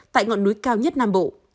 tại ngọn núi cao nhất nam bộ